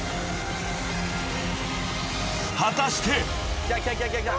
［果たして！？］